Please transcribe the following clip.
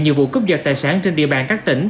nhiều vụ cướp giật tài sản trên địa bàn các tỉnh